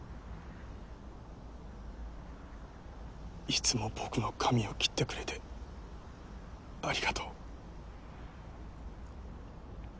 いつも僕の髪を切ってくれてありがとう。